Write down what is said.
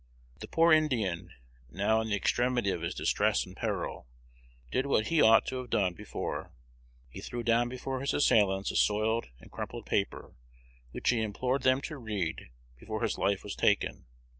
The poor Indian, now, in the extremity of his distress and peril, did what he ought to have done before: he threw down before his assailants a soiled and crumpled paper, which he implored them to read before his life was taken.